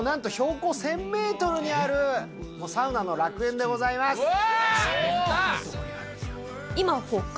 ここ、なんと標高１０００メートルにあるサウナの楽園でございます。